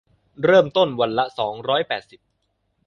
เริ่มต้นวันละ สองร้อยแปดสิบ